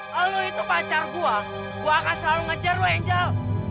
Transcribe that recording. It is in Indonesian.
kalo lu itu pacar gue gue akan selalu ngejar lu angel